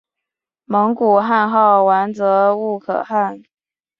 蒙古汗号完泽笃可汗。